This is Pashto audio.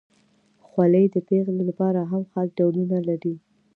خولۍ د پیغلو لپاره هم خاص ډولونه لري.